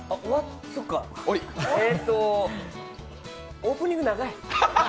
そっか、オープニング長い。